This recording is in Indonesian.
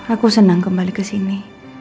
aku senang kembali kesini